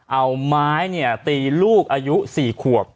เอาไม้ตีลูกอายุ๔ขวบ